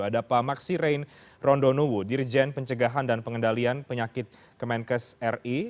ada pak maksi rein rondonuwu dirjen pencegahan dan pengendalian penyakit kemenkes ri